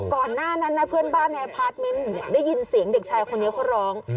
ก่อนหน้านั้นนะเพื่อนบ้านในอพาร์ทเมนต์ได้ยินเสียงเด็กชายคนนี้เขาร้อง